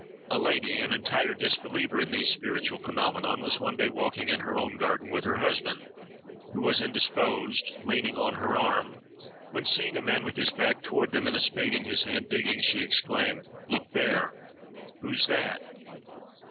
A lady, an entire disbeliever in these spiritual phenomena, was one day walking in her own garden with her husband, who was indisposed, leaning on her arm, when seeing a man with his back toward them, and a spade in his hand, digging, she exclaimed, "Look there! who's that?"